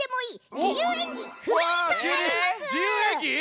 いい！